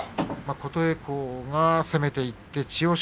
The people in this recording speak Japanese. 琴恵光が攻めていって千代翔